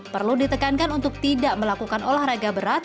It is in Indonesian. perlu ditekankan untuk tidak melakukan olahraga berat